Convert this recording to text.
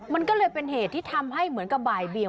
มันก็เลยเป็นเหตุที่ทำให้เหมือนกับบ่ายเบียง